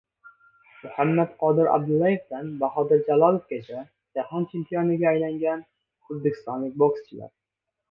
Muhammadqodir Abdullayevdan Bahodir Jalolovgacha. Jahon chempioniga aylangan o‘zbekistonlik bokschilar